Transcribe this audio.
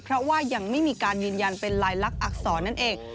เพราะว่ายังไม่มีการยืนยันเป็นลายลักษณอักษรนั่นเอง